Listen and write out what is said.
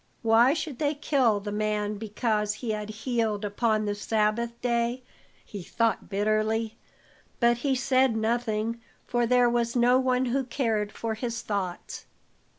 Why should they kill the man because he had healed upon the Sabbath day? he thought bitterly; but he said nothing, for there was no one who cared for his thoughts.